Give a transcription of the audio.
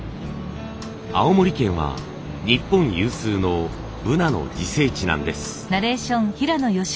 青森県は日本有数のブナの自生地なんです。